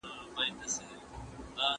ما مخکې دا ستونزه درک کړې وه.